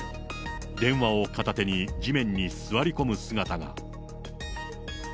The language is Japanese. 電話を片手に、地面に座り込む姿が。